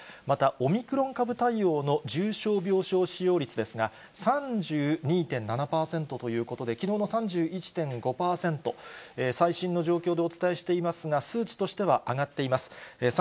またオミクロン株対応の重症病床使用率ですが、３２．７％ということで、きのうの３１．５％、最新の状況でお伝えしていますが、数値としては上がっています。